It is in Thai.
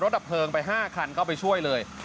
ดับเพลิงไป๕คันเข้าไปช่วยเลย